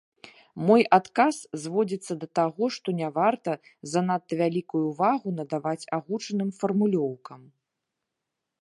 Мой адказ зводзіцца да таго, што не варта занадта вялікую ўвагу надаваць агучаным фармулёўкам.